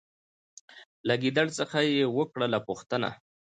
له ګیدړ څخه یې وکړله پوښتنه